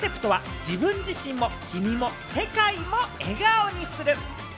コンセプトは自分自身も、君も、世界も、笑顔にする。